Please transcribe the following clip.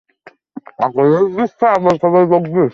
কুরিদের বাড়িতে ঢুকিয়া তাঁহার গা ছম ছম করিয়া উঠিল।